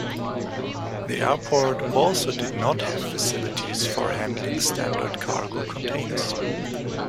The airport also did not have facilities for handling standard cargo containers.